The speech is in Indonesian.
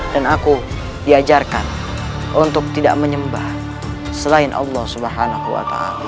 dan aku diajarkan untuk tidak menyembah selain allah swt